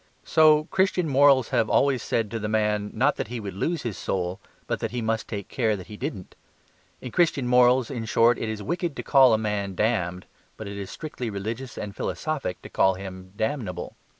So Christian morals have always said to the man, not that he would lose his soul, but that he must take care that he didn't. In Christian morals, in short, it is wicked to call a man "damned": but it is strictly religious and philosophic to call him damnable.